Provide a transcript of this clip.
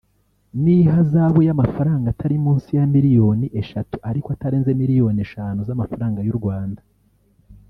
n’ihazabu y’amafaranga atari munsi ya miliyoni eshatu ariko atarenze miliyoni eshanu z’amafaranga y’u Rwanda